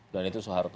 dan itu soeharto